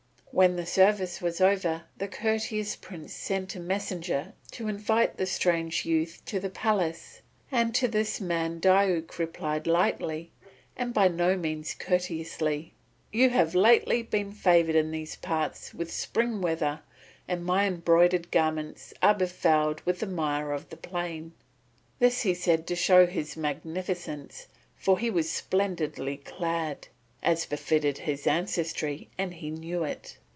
When the service was over the courteous prince sent a messenger to invite the strange youth to the palace, and to this man Diuk replied lightly and by no means courteously: "You have lately been favoured in these parts with spring weather and my embroidered garments are befouled with the mire of the plain." This he said to show his magnificence, for he was splendidly clad, as befitted his ancestry, and he knew it.